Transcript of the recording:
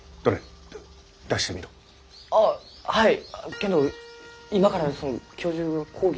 けんど今からその教授は講義。